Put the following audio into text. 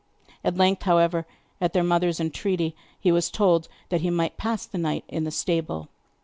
At length, however, at their mother's entreaty, he was told that he might pass the night in the stable.